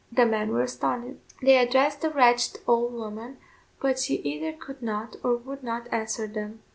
The men were astounded; they addressed the wretched old woman, but she either could not, or would not answer them.